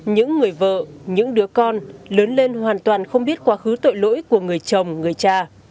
những người vợ những đứa con lớn lên hoàn toàn không biết quá khứ tội lỗi của người chồng người cha